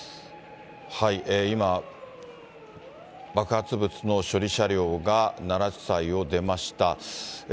今、爆発物の処理車両が奈良地裁を出ました。